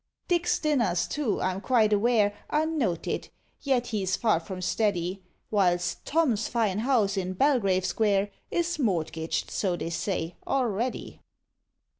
DICK's dinners, too, I'm quite aware, Are noted yet he's far from steady, Whilst TOM's fine house in Belgrave Square Is mortgaged, so they say, already.